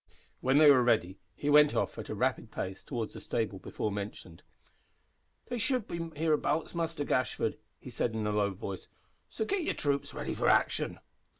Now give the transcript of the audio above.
When they were ready he went off at a rapid pace towards the stable before mentioned. "They should be hereabouts, Muster Gashford," he said, in a low voice, "so git yer troops ready for action."